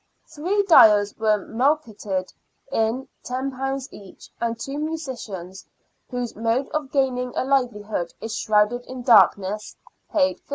Three dyers were mulcted in £10 each, and two musicians, whose mode of gaining a hvelihood is shrouded in darkness, paid 53s.